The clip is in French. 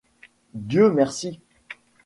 Dieu merci !